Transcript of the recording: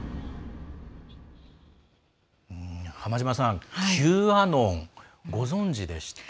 浜島さん、Ｑアノンご存じでした？